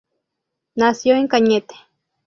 Nació en Cañete.